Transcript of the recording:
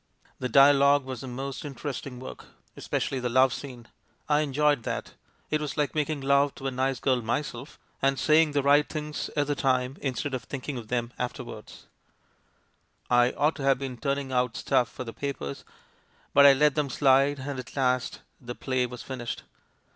The dialogue was the most in teresting work — especially the love scene; I en joyed that. It was like making love to a nice girl myself, and saying the right things at the time instead of thinking of 'em afterwards. I FRANKENSTEIN II 53 ought to have been turning out stuff for the pa pers, but I let them sHde, and at last the play was finished.